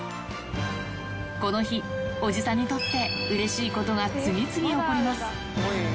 この日、おじさんにとってうれしいことが次々起こります。